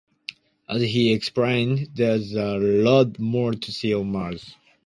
As he explained, "there's a lot more to see on Mars".